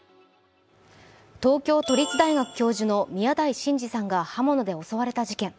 東京都立大学の教授の宮台真司さんが刃物で襲われた事件。